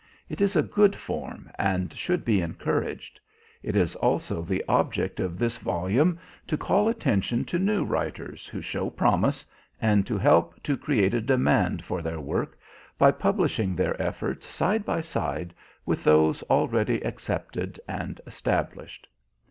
It is a good form and should be encouraged. It is also the object of this volume to call attention to new writers who show promise and to help to create a demand for their work by publishing their efforts side by side with those already accepted and established.